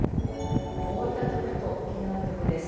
大分局と沖縄局です。